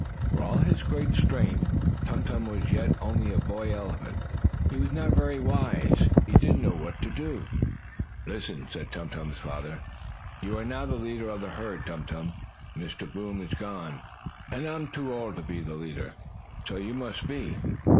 For all his great strength, Tum Tum was yet only a boy elephant. He was not very wise. He did not know what to do. "Listen," said Tum Tum's father. "You are now the leader of the herd, Tum Tum. Mr. Boom is gone, and I am too old to be the leader. So you must be.